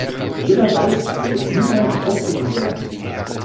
Jeder weiß, dass wir niemals aufgeben werden!